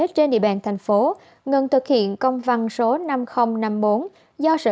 trên địa bàn thành phố ngừng thực hiện công văn số năm nghìn năm mươi bốn